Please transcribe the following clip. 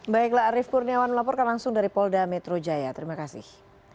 baiklah arief kurniawan melaporkan langsung dari polda metro jaya terima kasih